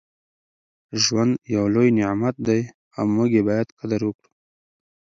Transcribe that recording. ژوند یو لوی نعمت دی او موږ یې باید قدر وکړو.